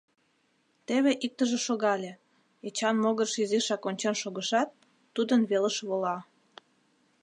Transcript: Теве иктыже шогале, Эчан могырыш изишак ончен шогышат, тудын велыш вола.